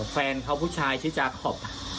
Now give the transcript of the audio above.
แฟนเขาผู้ชายชื่อจาคอป